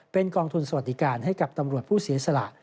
เป็นกองทุนสวัสดิการให้กับตำรวจผู้เสียสละ